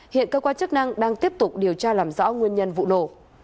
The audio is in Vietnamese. hiện cơ quan chức năng đang tiếp tục điều tra làm rõ nguyên nhân vụ nổ